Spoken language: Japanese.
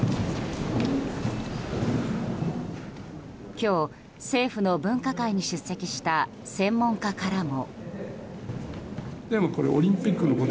今日、政府の分科会に出席した専門家からも。